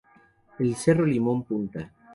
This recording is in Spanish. El Cerro Limón Punta.